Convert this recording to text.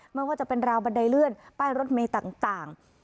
ไม่ว่าจะเป็นราวบันไดเลื่อนป้ายรถเมย์ต่าง